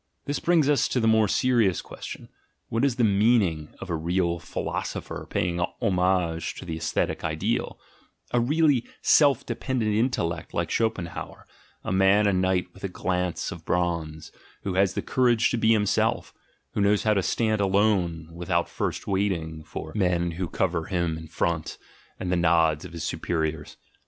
This brings us to the more serious ques tion: What is the meaning of a real philosopher paying homage to the ascetic ideal, a really self dependent intel lect like Schopenhauer, a man and knight with a glance of bronze, who has the courage to be himself, who knows how to stand alone without first waiting for men who cover him in front, and the nods of his superiors?